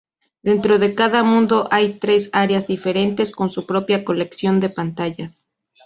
Dentro de cada mundo hay tres áreas diferentes con su propia colección de pantallas.